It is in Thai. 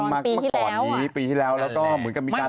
มันมาตั้งแต่ตอนปีที่แล้วแล้วก็มีการตกปิดกัน